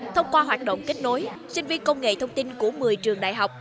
thông qua hoạt động kết nối sinh viên công nghệ thông tin của một mươi trường đại học